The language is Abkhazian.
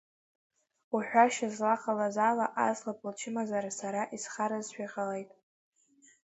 Уҳәашьа злаҟаз ала, аӡӷаб лчымазара сара исхаразшәа иҟалеит.